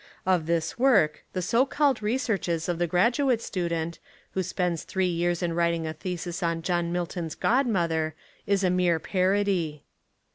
Of this work the so called researches of the graduate student, who spends three years in writing a thesis on John Milton's god mother, is a mere parody.